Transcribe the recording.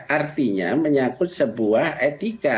artinya menyangkut sebuah etika